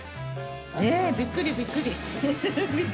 ねえ、びっくりびっくり。